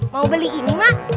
mau beli ini mak